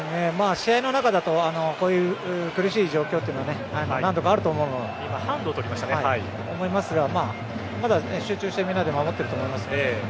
試合の中だとこういう苦しい状況というのは何度かあると思うのでまだ集中してみんなで守っていると思います。